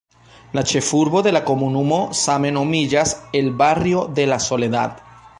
La ĉefurbo de la komunumo same nomiĝas "El Barrio de la Soledad".